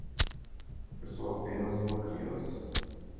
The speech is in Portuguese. Eu sou apenas uma criança.